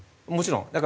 もちろん。